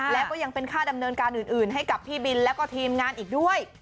แล้วก็ยังเป็นค่าดำเนินการอื่นให้กับพี่บินแล้วก็ทีมงานอีกด้วย